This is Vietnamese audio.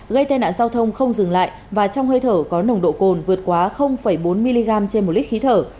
gây tai nạn giao thông không dừng lại và trong hơi thở có nồng độ cồn vượt quá bốn mg trên một lít khí thở